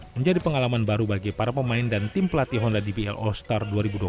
menjadi pengalaman baru bagi para pemain dan tim pelatih honda dbl all star